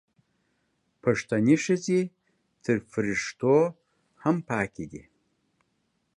پښتنې ښځې تر فریښتو هم پاکې دي